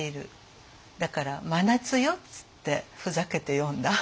だから真夏よっつってふざけて詠んだ。